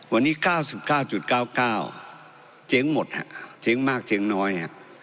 วันนี้๙๙๙๙๙เจ๊งหมดฮะเจ๊งมากเจ๊งน้อย